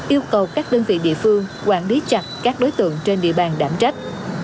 yêu cầu các đơn vị địa phương quản lý chặt các đối tượng trên địa bàn đảm trách